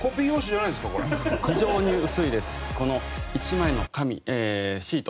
非常に薄いです。